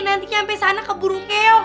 nanti nyampe sana keburung keok